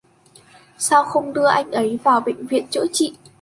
Sao không đưa anh ấy đi vào bệnh viện chữa trị